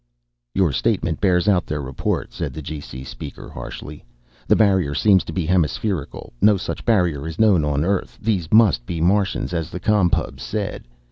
"Your statement bears out their report," said the G.C. speaker harshly. "The barrier seems to be hemispherical. No such barrier is known on Earth. These must be Martians, as the Com Pubs said.